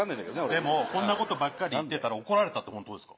でもこんなことばっかり言ってたら怒られたってホントですか？